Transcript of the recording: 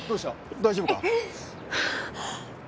大丈夫か？